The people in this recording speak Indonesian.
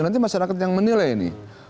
nanti masyarakat yang menilai ini